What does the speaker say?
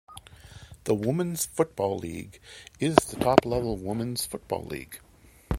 The Women's Football League is the top-level women's football league.